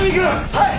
はい！